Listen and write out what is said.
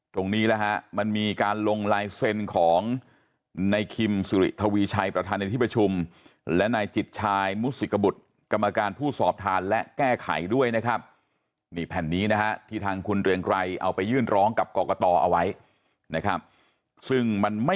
ตรงนี้แล้วมันมีการลงลายเสน